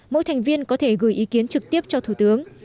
mỗi thành viên có thể gửi ý kiến trực tiếp cho thủ tướng